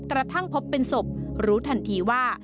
กระทั่งพบเป็นศพรู้ทันทีว่า